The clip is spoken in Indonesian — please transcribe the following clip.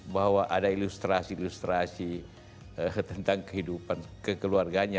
bahwa ada ilustrasi ilustrasi tentang kehidupan kekeluarganya